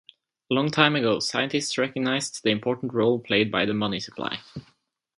Long time ago scientists recognized the important role played by the money supply.